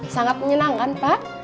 sangat menyenangkan pak